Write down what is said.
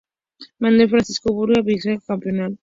Manuel Francisco Burga, bicampeona nacional.